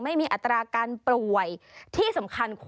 ไม่มีอัตราการป่วย